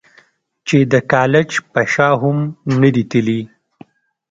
چې د کالج پۀ شا هم نۀ دي تلي -